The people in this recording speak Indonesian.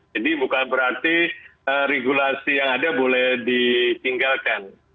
jadi bukan berarti regulasi yang ada boleh ditinggalkan